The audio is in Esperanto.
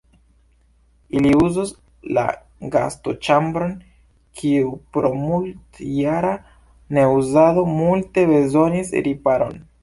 Ili uzos la gastoĉambron, kiu pro multjara neuzado multe bezonis riparon.